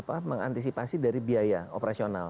untuk mengantisipasi dari biaya operasional